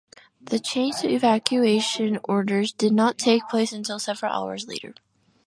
The change to evacuation orders did not take place until several hours later.